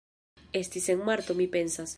Estis en marto mi pensas